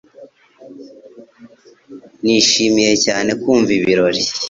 Nishimiye cyane kumva ibirori